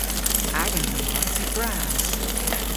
Agan lowarth yw bras.